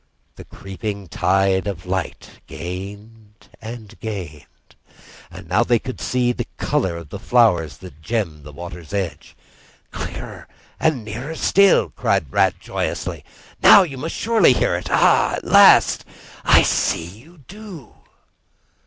The creeping tide of light gained and gained, and now they could see the colour of the flowers that gemmed the water's edge. "Clearer and nearer still," cried the Rat joyously. "Now you must surely hear it! Ah—at last—I see you do!"